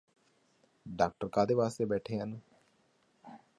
doctor ਕਾਹਦੇ ਵਾਸਤੇ ਬੈਠੇ ਹਨ